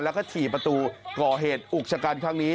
แล้วก็ถี่ประตูก่อเหตุอุกชะกันครั้งนี้